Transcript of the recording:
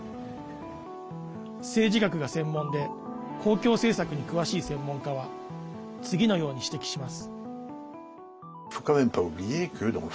政治学が専門で公共政策に詳しい専門家は次のように指摘します。